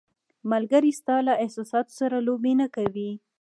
ملګری ستا له احساساتو سره لوبې نه کوي.